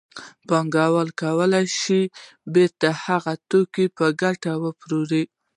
چې پانګوال وکولای شي بېرته هغه توکي په ګټه وپلوري